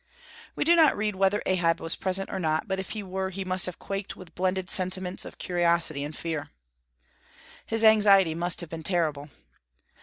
We do not read whether Ahab was present or not, but if he were he must have quaked with blended sentiments of curiosity and fear. His anxiety must have been terrible.